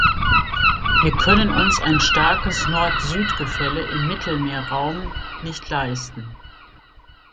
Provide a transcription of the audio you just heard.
Wir können uns ein starkes Nord-Süd-Gefälle im Mittelmeerraum nicht leisten.